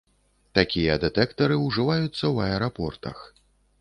Такія дэтэктары ўжываюцца ў аэрапортах.